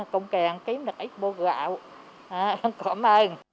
công kèm kiếm được ít bột gạo cảm ơn